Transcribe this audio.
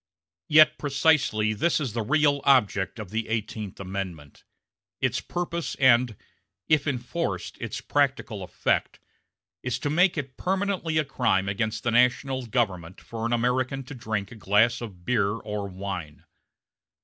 Yet precisely this is the real object of the Eighteenth Amendment; its purpose and, if enforced, its practical effect is to make it permanently a crime against the national government for an American to drink a glass of beer or wine.